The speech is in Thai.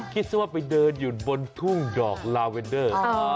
คิดซะว่าไปเดินอยู่บนทุ่งดอกลาเวนเดอร์